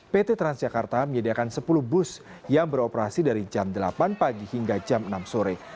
pt transjakarta menyediakan sepuluh bus yang beroperasi dari jam delapan pagi hingga jam enam sore